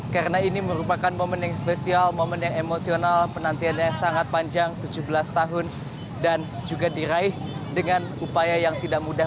karena ini merupakan momen yang spesial momen yang emosional penantiannya sangat panjang tujuh belas tahun dan juga diraih dengan upaya yang tidak mudah